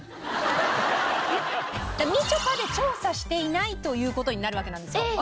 「みちょぱ」で調査していないという事になるわけなんですよ。えっ！